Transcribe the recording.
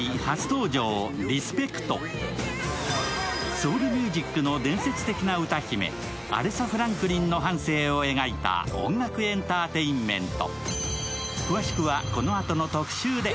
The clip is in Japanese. ソウルミュージックの伝説的な歌姫、アレサ・フランクリンの半生を描いた音楽エンターテインメント。